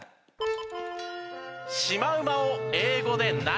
シマウマを英語で何？